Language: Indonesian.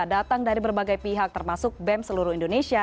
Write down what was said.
datang dari berbagai pihak termasuk bem seluruh indonesia